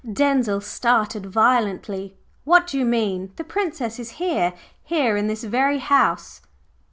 Denzil started violently. "What do you mean? The Princess is here, here in this very house."